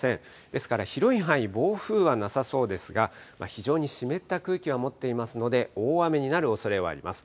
ですから広い範囲、暴風はなさそうですが、非常に湿った空気は持っていますので、大雨になるおそれはあります。